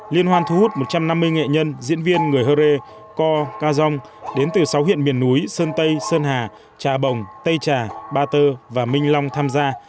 liên hoan thu hút một trăm năm mươi nghệ nhân diễn viên người hơ rê co ca rong đến từ sáu huyện miền núi sơn tây sơn hà trà bồng tây trà ba tơ và minh long tham gia